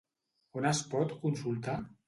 On es pot consultar?